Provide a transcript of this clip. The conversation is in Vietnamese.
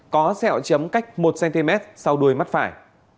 có sẹo chấm cách một cm sau đuôi mắt phải